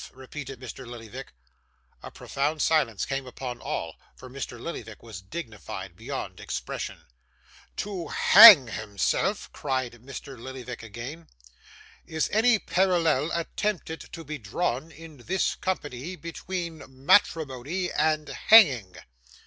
repeated Mr. Lillyvick. A profound silence came upon all, for Mr. Lillyvick was dignified beyond expression. 'To hang himself!' cried Mr. Lillyvick again. 'Is any parallel attempted to be drawn in this company between matrimony and hanging?